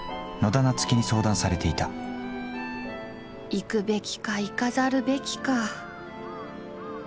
行くべきか行かざるべきか。